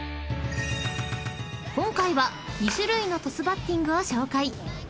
［今回は２種類のトスバッティングを紹介］